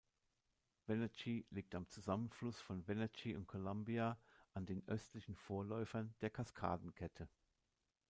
Wenatchee liegt am Zusammenfluss von Wenatchee und Columbia, an den östlichen Vorläufern der Kaskadenkette.